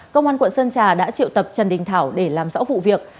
công an quận sơn trà đã triệu tập trần đình thảo để làm rõ vụ việc